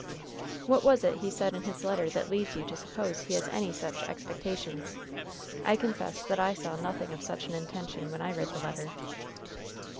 "What was it he said in his letter that leads you to suppose he has any such expectations? I confess that I saw nothing of such an intention when I read the letter."